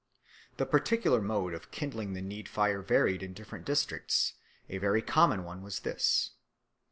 The particular mode of kindling the need fire varied in different districts; a very common one was this.